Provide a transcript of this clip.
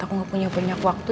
aku gak punya banyak waktu